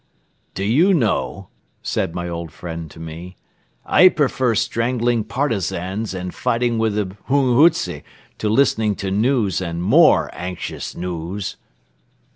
"Do you know," said my old friend to me, "I prefer strangling Partisans and fighting with the hunghutze to listening to news and more anxious news!"